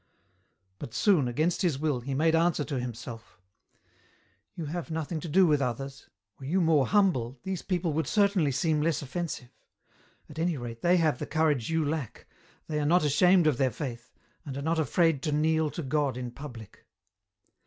But soon, against his will, he made answer to himself : "You have nothing to do with others, were you more humble, these people would certainly seem less offensive ; at any rate they have the courage you lack, they are not ashamed of their faith, and are not afraid to kneel to God in public."